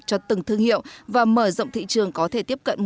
cho từng thương hiệu và mở rộng thị trường có thể tiếp cận